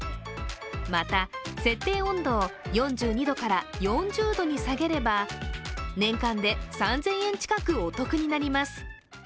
また、設定温度を４２度から４０度に下げれば年間で３０００円近くお得になります。